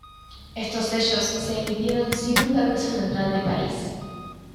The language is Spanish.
Estos sellos se emitieron sin un permiso central de París.